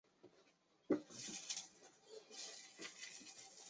政治委员是执政党在军队的代表。